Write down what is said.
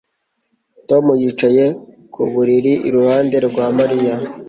Tom yicaye ku buriri iruhande rwa Mariya